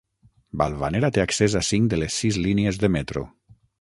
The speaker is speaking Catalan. Balvanera té accés a cinc de les sis línies de metro.